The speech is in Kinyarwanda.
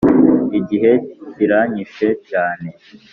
igihe kiranyishe cyane.